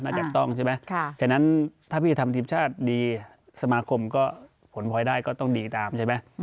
จับต้องใช่ไหมฉะนั้นถ้าพี่ทำทีมชาติดีสมาคมก็ผลพลอยได้ก็ต้องดีตามใช่ไหม